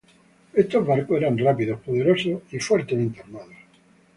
Estos barcos eran rápidos, poderosos y fuertemente armados.